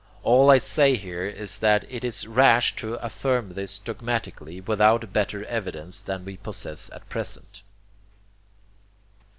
All I say here is that it is rash to affirm this dogmatically without better evidence than we possess at present.